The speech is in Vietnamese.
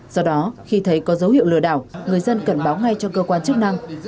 do đó khi thấy có dấu hiệu lừa đảo người dân cần báo ngay cho cơ quan chức năng